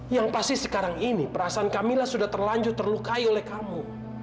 yang pasti sekarang ini perasaan kamilah sudah terlanjur terlukai oleh kamu